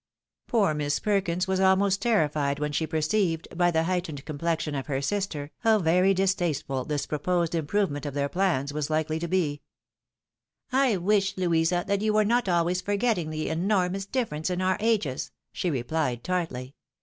Poor Miss Perkins was almost terrified when she perceived, ■by the heightened complexion of her sister, how very distasteful this proposed improvement of their plans was likely to be. HOW TO GET A HUSBAND. 291 " I ■msh, Louisa, that you were not always forgetting the enormous difference in our ages," she replied, tartly.